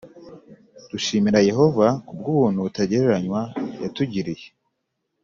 Dushimira Yehova ku bw’ubuntu butagereranywa yatugiriye